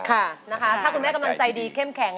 ถ้าคุณแม่กำลังใจดีเข้มแข็ง